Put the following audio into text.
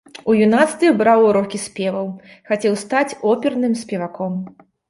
У юнацтве браў урокі спеваў, хацеў стаць оперным спеваком.